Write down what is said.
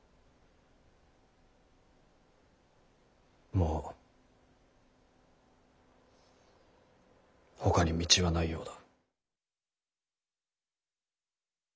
もうほかに道はないようだ。